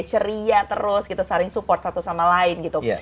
ceria terus gitu saling support satu sama lain gitu